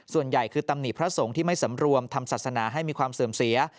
ส่วนใหญ่คือตำหนิพระสงฆ์ที่ไม่สำรวมทำศาสนาให้มีความเสื่อมเสีย